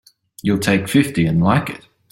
You'll take fifty and like it!